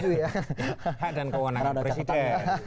hak dan kewenangan presiden